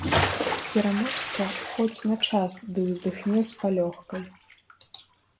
Пераможца хоць на час ды ўздыхне з палёгкай.